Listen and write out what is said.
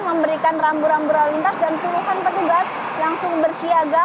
memberikan rambu rambu lintas dan seluruh petugas langsung bersiaga